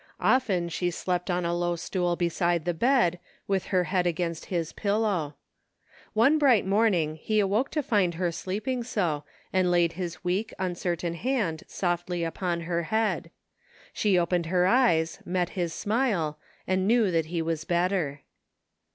Often she slept on a low stool beside the bed, with her head against his pillow. One bright morn ing he awoke to find her sleeping so, and laid his weak uncertain hand softly upon her head. She opened her eyes, met his smile, and knew that he was better.